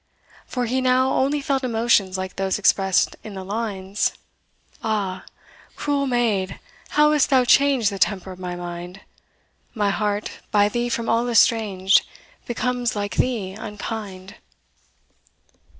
For he now only felt emotions like those expressed in the lines, Ah! cruel maid, how hast thou changed The temper of my mind! My heart, by thee from all estranged, Becomes like thee unkind.